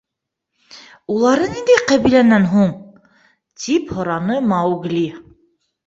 — Улары ниндәй ҡәбиләнән һуң? — тип һораны Маугли.